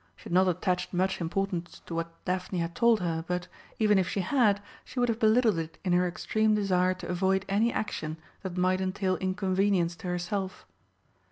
She had not attached much importance to what Daphne had told her, but, even if she had, she would have belittled it in her extreme desire to avoid any action that might entail inconvenience to herself.